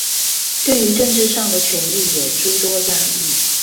對於政治上的權益也諸多壓抑